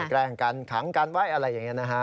แกล้งกันขังกันไว้อะไรอย่างนี้นะฮะ